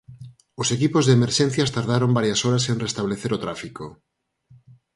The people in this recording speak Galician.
Os equipos de emerxencias tardaron varias horas en restablecer o tráfico.